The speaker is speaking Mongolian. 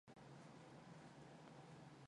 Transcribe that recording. Гэхдээ та хэрхэн мэдсэнээ хэлж өгнө үү.